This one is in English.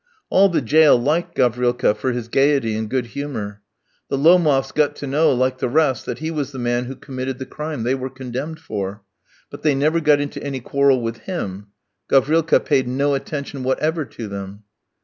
All the jail liked Gavrilka for his gaiety and good humour. The Lomofs got to know, like the rest, that he was the man who committed the crime they were condemned for; but they never got into any quarrel with him. Gavrilka paid no attention whatever to them.